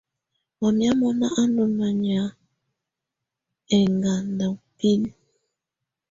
Wamɛ̀á mɔna á ndù manyà ɛŋganda binǝ.